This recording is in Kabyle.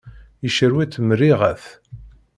Yecrew-itt merriɣet!